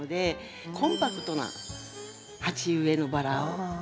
コンパクトな鉢植えのバラを。